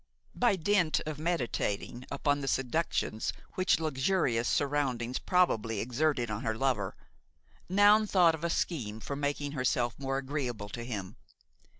By dint of meditating upon the seductions which luxurious surroundings probably exerted on her lover, Noun thought of a scheme for making herself more agreeable to him.